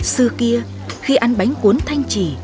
xưa kia khi ăn bánh cuốn thanh chỉ